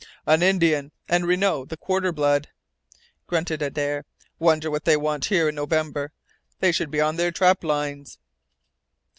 "An Indian, and Renault the quarter blood," grunted Adare. "Wonder what they want here in November. They should be on their trap lines."